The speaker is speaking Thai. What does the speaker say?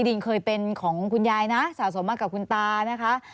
ดินเคยเป็นของคุณยายนะสะสมมากับคุณตานะคะ